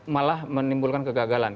malah menimbulkan kegagalan